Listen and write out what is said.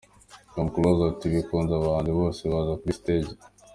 Tom Close ati, Bikunze abahanzi bose baza kuri stage.